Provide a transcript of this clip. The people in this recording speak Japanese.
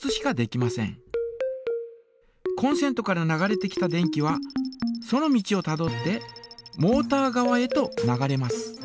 コンセントから流れてきた電気はその道をたどってモータ側へと流れます。